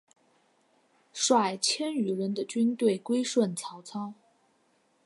率千余人的军队归顺曹操。